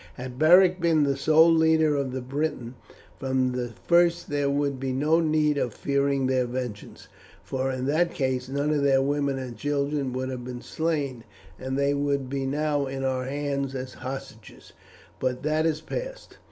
"Had Beric been the sole leader of the Britons from the first there would be no need of fearing their vengeance, for in that case none of their women and children would have been slain, and they would be now in our hands as hostages; but that is past.